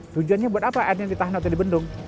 tujuannya buat apa airnya ditahan atau dibendung